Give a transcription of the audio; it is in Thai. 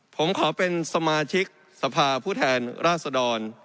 ผมขอเป็นสมาชิกสภาผู้แทนราชดร